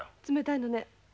冷たいのね。